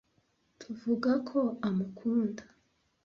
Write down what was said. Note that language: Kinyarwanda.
Tuvuga ko amukunda.